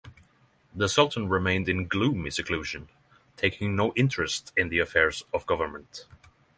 The sultan remained in gloomy seclusion, taking no interest in the affairs of government.